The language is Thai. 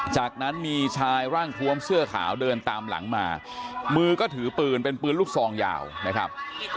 จากนั้นมีชายร่างทวมเสื้อขาวเดินตามหลังมามือก็ถือปืนเป็นปืนลูกซองยาวนะครับ